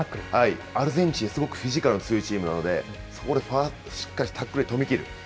アルゼンチン、すごくフィジカルの強いチームなので、そこでタックルでしっかりと止めきる。